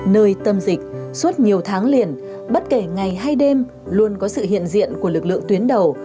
nơi tâm dịch suốt nhiều tháng liền bất kể ngày hay đêm luôn có sự hiện diện của lực lượng tuyến đầu